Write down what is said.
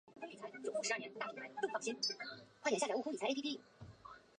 丧钟等在剧中都完整呈现。